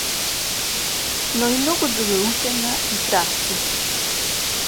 Но и многу други учења и правци.